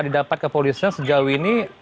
didapat kepolisian sejauh ini